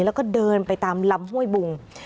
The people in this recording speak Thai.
แล้วก็เดินไปตามลำห้วยบุง